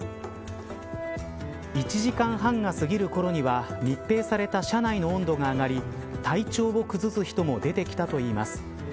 １時間半が過ぎるころには密閉された車内の温度が上がり体調を崩す人も出てきたといいます。